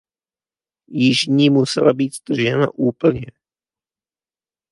Jižní musela být stržena úplně.